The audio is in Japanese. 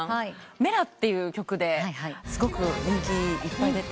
『Ｍｅｌａ！』っていう曲ですごく人気いっぱい出て。